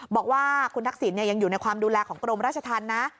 บอกว่าคุณทักษิณยังอยู่ในความดูแลของกรมราชธรรมนะ